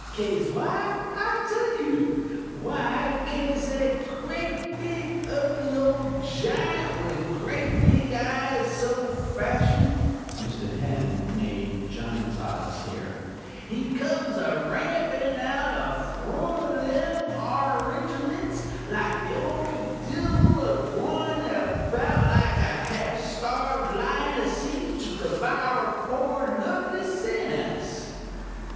'Caze why? I tell you; why, 'caze a grate, big, ugly ole jiunt, with grate big eyes, so fashin (Mr. Ham made giant's eyes here) he kums a rampin' out a frount o' them 'ar rigiments, like the ole devul a gwyin about like a half starv'd lion a seeking to devour poor lubly sinnahs!